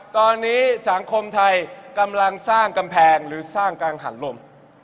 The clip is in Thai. ตอนนี้สังคมไทยกำลังสร้างกำแพงหรือสร้างการหันลม